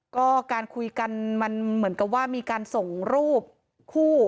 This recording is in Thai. ก็การคุยกันมันเหมือนกับว่ามีการส่งรูปคู่